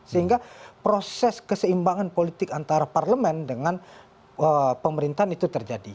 sehingga proses keseimbangan politik antara parlemen dengan pemerintahan itu terjadi